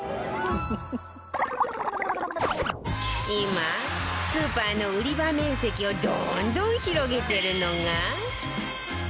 今スーパーの売り場面積をどんどん広げてるのが